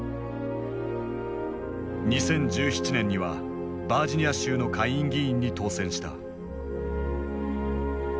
２０１７年にはバージニア州の下院議員に当選した。